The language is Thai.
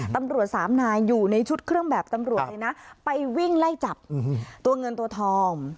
ตำรวจสามนายอยู่ในชุดเครื่องแบบตำรวจเลยนะไปวิ่งไล่จับตัวเงินตัวทอง